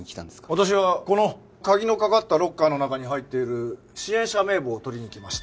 私はこの鍵のかかったロッカーの中に入っている支援者名簿を取りに来ました